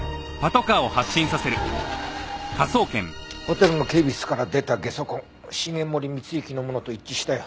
ホテルの警備室から出たゲソ痕繁森光之のものと一致したよ。